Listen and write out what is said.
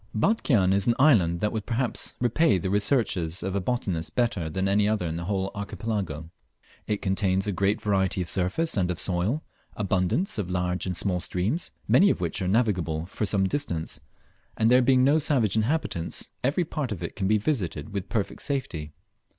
Batchian is an island that would perhaps repay the researches of a botanist better than any other in the whole Archipelago. It contains a great variety of surface and of soil, abundance of large and small streams, many of which are navigable for some distance, and there being no savage inhabitants, every part of it can be visited with perfect safety.